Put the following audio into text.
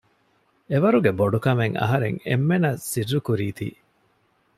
އެވަރުގެ ބޮޑުކަމެއް އަހަރެން އެންމެންނަށް ސިއްރުކުރީތީ